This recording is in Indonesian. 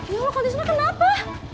ya allah kalau disana kenapa